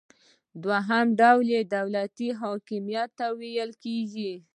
دوهم ډول یې دولتي حاکمیت ته ویل کیږي.